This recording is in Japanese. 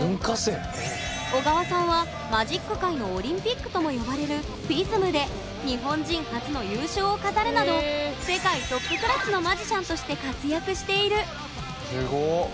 緒川さんはマジック界のオリンピックとも呼ばれるＦＩＳＭで日本人初の優勝を飾るなど世界トップクラスのマジシャンとして活躍している。